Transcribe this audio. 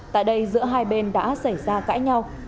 tại đây giữa hai bên đã xảy ra cãi nhau